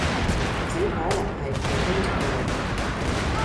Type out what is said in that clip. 只可能係佢拎錯咗